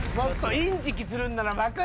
インチキするんなら。